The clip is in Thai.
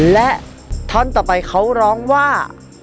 และท่อนต่อไปเขาร้องว่า